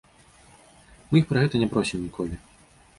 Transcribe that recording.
Мы іх пра гэта не просім ніколі.